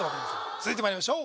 続いてまいりましょう